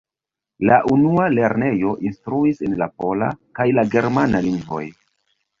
La unua lernejo instruis en la pola kaj la germana lingvoj.